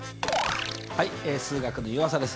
はい数学の湯浅です。